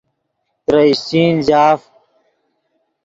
ترے اشچین جاف